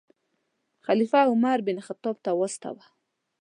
خلیفه عمر بن خطاب ته واستاوه.